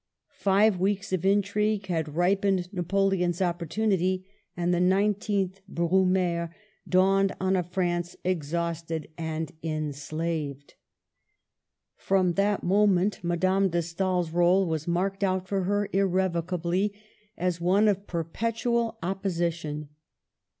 Five weeks of intrigue had ripened Napoleon's opportunity, and the 19th Brumaire dawned on a France exhausted and enslaved. From that moment Madame de Stael's rdle was marked out for her irrevocably as one of per petual opposition.